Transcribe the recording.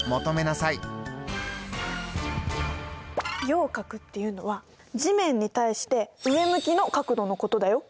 仰角っていうのは地面に対して上向きの角度のことだよ。